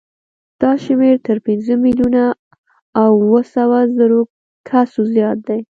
دا شمېر تر پنځه میلیونه او اوه سوه زرو کسو زیات دی.